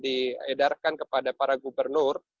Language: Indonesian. iedarkan kepada para gubernur